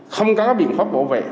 không có biện pháp bảo vệ